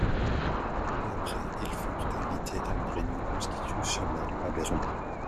Peu après ils furent invités à une réunion constitutionnelle à Berlin.